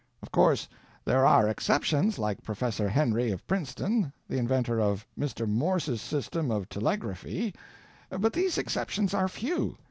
Of course there are exceptions—like Professor Henry of Princeton, the inventor of Mr. Morse's system of telegraphy—but these exceptions are few.